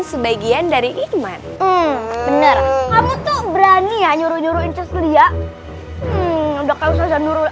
sebagian dari iman bener kamu tuh berani nyuruh nyuruhin celia udah kayak usah nurul